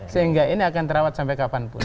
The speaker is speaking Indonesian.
sehingga ini akan terawat sampai kapanpun